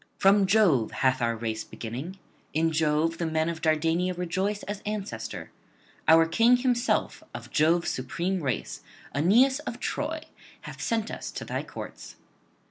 From Jove hath our race beginning; in Jove the men of Dardania rejoice as ancestor; our King himself of Jove's supreme race, Aeneas of Troy, hath sent us to thy courts.